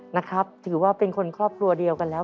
นะครับถือว่าเป็นคนครอบครัวเดียวกันแล้ว